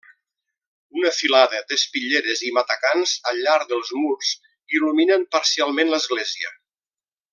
Una filada d'espitlleres i matacans al llarg dels murs il·luminen parcialment l'església.